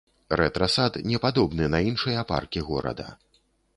Рэтра-сад не падобны на іншыя паркі горада.